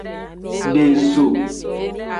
De zo.